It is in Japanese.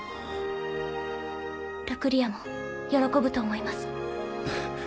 ルクリアも喜ぶと思います。